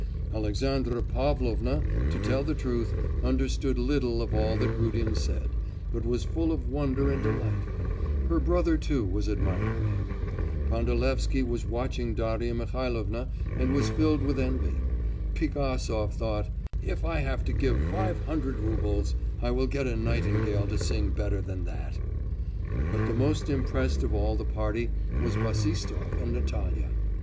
Alexandra Pavlovna, to tell the truth, understood little of all that Rudin said, but was full of wonder and delight; her brother too was admiring him. Pandalevsky was watching Darya Mihailovna and was filled with envy. Pigasov thought, 'If I have to give five hundred roubles I will get a nightingale to sing better than that!' But the most impressed of all the party were Bassistoff and Natalya.